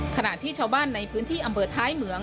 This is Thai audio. ขณะที่ชาวบ้านในพื้นที่อำเภอท้ายเหมือง